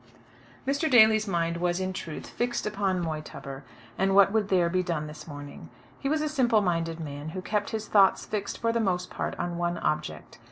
Mr. Daly's mind was, in truth, fixed upon Moytubber, and what would there be done this morning. He was a simple minded man, who kept his thoughts fixed for the most part on one object.